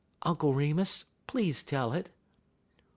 "Uncle Remus, please tell it."